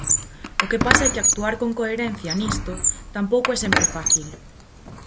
O que pasa é que actuar con coherencia, nisto, tampouco é sempre fácil.